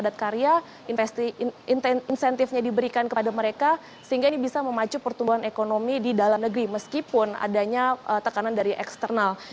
pada saat ini juga diperhatikan bahwa insentifnya diberikan kepada mereka sehingga ini bisa memacu pertumbuhan ekonomi di dalam negeri meskipun adanya tekanan dari eksternal